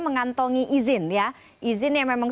mengantongi izin ya izin yang memang